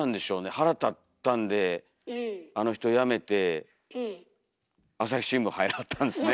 腹立ったんであの人辞めて朝日新聞入らはったんですね。